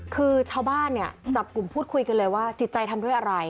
คือชาวบ้านเนี่ยจับกลุ่มพูดคุยกันเลยว่าจิตใจทำด้วยอะไร